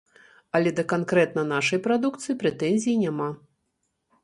Але да канкрэтна нашай прадукцыі прэтэнзій няма.